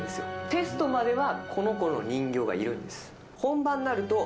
テストまではこの子の人形がいるんです。